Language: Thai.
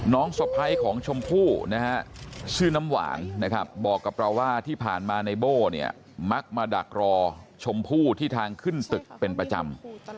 สะพ้ายของชมพู่นะฮะชื่อน้ำหวานนะครับบอกกับเราว่าที่ผ่านมาในโบ้เนี่ยมักมาดักรอชมพู่ที่ทางขึ้นตึกเป็นประจำ